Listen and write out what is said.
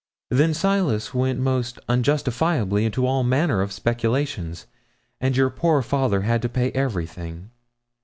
Then Silas went most unjustifiably into all manner of speculations, and your poor father had to pay everything.